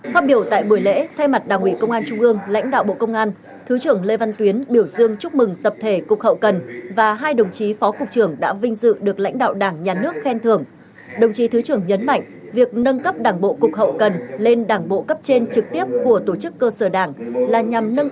phát biểu tại buổi lễ thay mặt đảng ủy công an trung ương lãnh đạo bộ công an thứ trưởng lê văn tuyến biểu dương chúc mừng tập thể cục hậu cần và hai đồng chí phó cục trưởng đã vinh dự được lãnh đạo đảng nhà nước khen thưởng